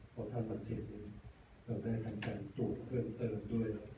พอท่านมาเทียบนี้เราได้ทำการตรวจเพิ่มเติมด้วย